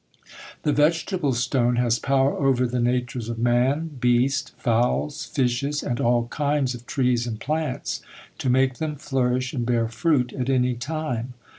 The vegetable stone has power over the natures of man, beast, fowls, fishes, and all kinds of trees and plants, to make them flourish and bear fruit at any time.